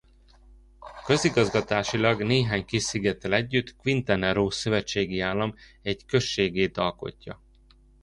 Közigazgatásilag néhány kis szigettel együtt Quintana Roo szövetségi állam egy községét alkotja.